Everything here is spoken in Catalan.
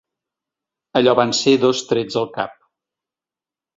Allò van ser dos trets al cap.